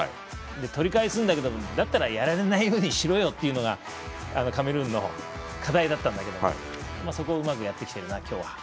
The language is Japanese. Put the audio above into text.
とりかえすんだけどだったらやられないようにしろよというのがカメルーンの課題だったんだけどそこをうまくやってきていると。